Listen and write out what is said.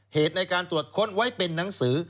เหตุในการตรวจค้นไว้เป็นหนังสือ